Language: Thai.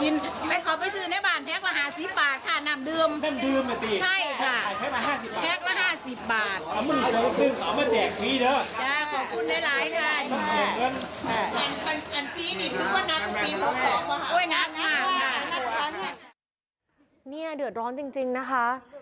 เดือดร้อนจริงนะคะ